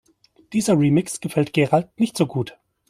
Dieser Remix gefällt Gerald nicht so gut.